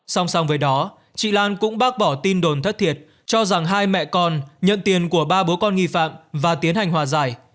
song song với đó chị lan cũng bác bỏ tin đồn thất thiệt cho rằng hai mẹ con nhận tiền của ba bố con nghi phạm và tiến hành hòa giải